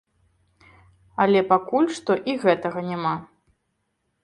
Але пакуль што і гэтага няма.